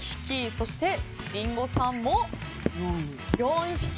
そして、リンゴさんも４匹。